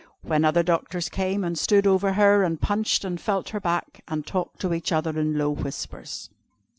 When other doctors came and stood over her, and punched and felt her back, and talked to each other in low whispers.